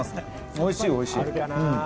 おいしい、おいしい。